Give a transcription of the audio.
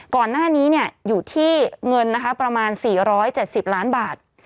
ก่อนหน้านี้อยู่ที่เงินนะคะประมาณ๔๗๐ล้านบาท